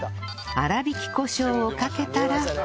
粗挽きコショウをかけたら